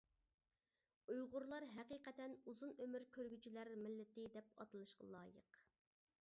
ئۇيغۇرلار ھەقىقەتەن ئۇزۇن ئۆمۈر كۆرگۈچىلەر مىللىتى دەپ ئاتىلىشقا لايىق.